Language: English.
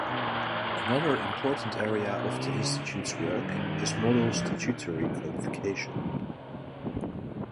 Another important area of the Institute's work is model statutory codification.